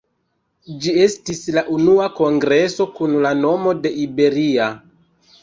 Ĝi estis la unua kongreso kun la nomo de Iberia.